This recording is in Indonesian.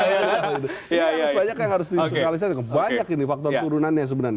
ini harus banyak yang harus disuralisasi banyak ini faktor turunannya sebenarnya